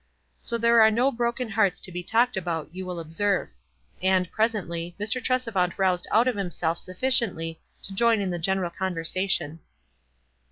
So there are no broken hearts to be talked about, you Trill observe. And, presently, Mr. Tresevant roused out of himself sufficiently to join in the general conversation.